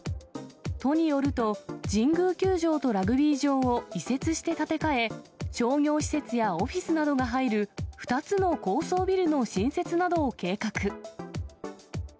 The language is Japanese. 都によると、神宮球場とラグビー場を移設して建て替え、商業施設やオフィスなどが入る、２つの高層ビルの新設などを計画。